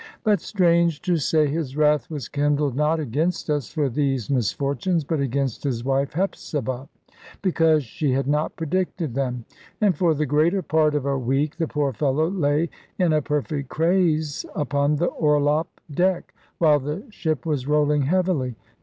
But, strange to say, his wrath was kindled not against us for these misfortunes, but against his wife Hepzibah, because she had not predicted them. And for the greater part of a week, the poor fellow lay in a perfect craze upon the orlop deck, while the ship was rolling heavily.